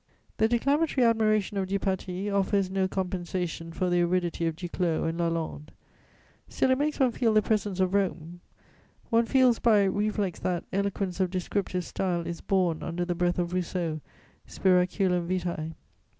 The declamatory admiration of Dupaty offers no compensation for the aridity of Duclos and Lalande; still it makes one feel the presence of Rome; one feels by reflex that eloquence of descriptive style is born under the breath of Rousseau, _spiraculum vitæ.